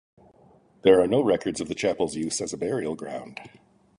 There are no records of the chapel's use as a burial ground.